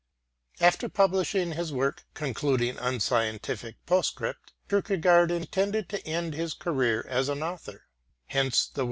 After publishing his work Concluding Unscientific Postscript, Kierkegaard intended to end his career as an author.